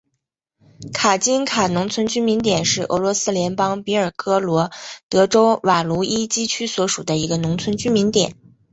卡津卡农村居民点是俄罗斯联邦别尔哥罗德州瓦卢伊基区所属的一个农村居民点。